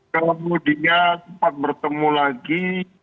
kemudian sempat bertemu lagi